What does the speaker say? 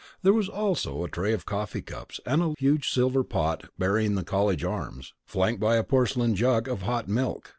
There was also a tray of coffee cups and a huge silver coffee pot bearing the college arms, flanked by a porcelain jug of hot milk.